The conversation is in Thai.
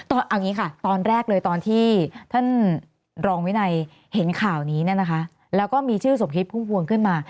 เอาอย่างนี้ค่ะตอนแรกเลยตอนที่ท่านรองวินัยเห็นข่าวนี้เนี่ยนะคะแล้วก็มีชื่อสมคิดพุ่มพวงขึ้นมา